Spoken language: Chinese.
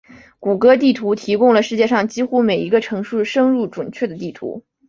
谷歌地图提供了世界上几乎每一个城市深入准确的地图。